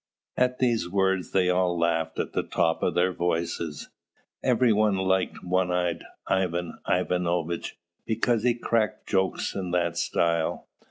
At these words they all laughed at the tops of their voices. Every one liked one eyed Ivan Ivanovitch, because he cracked jokes in that style.